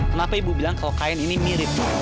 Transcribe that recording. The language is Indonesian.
kenapa ibu bilang kalau kain ini mirip